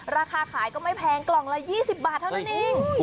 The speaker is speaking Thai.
ราคาขายก็ไม่แพงกล่องละ๒๐บาทเท่านั้นเอง